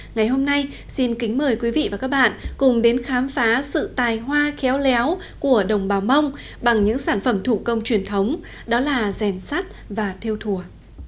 ngày hôm nay xin kính mời quý vị và các bạn cùng đến khám phá sự tài hoa khéo léo của đồng bào mông bằng những sản phẩm thủ công truyền thống đó là rèn sắt và theo thùa